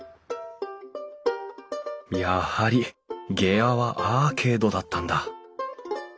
やはり下屋はアーケードだったんだ。